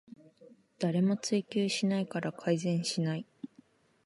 誰も追及しないから改善しない